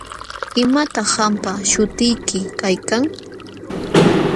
¿Imataq qampa śhutiyki kaykan?